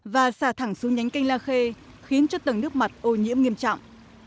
và xả thẳng xuống nhánh canh la khê khiến cho tầng nước mặt ô nhiễm nghiêm trọng